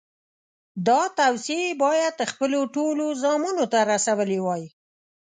دا توصیې یې باید خپلو ټولو زامنو ته رسولې وای.